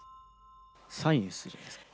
サイエンスじゃないですか？